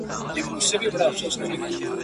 خو تر لمر یو حقیقت راته روښان دی.